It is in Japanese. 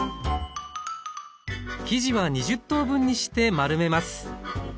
生地は２０等分にして丸めます。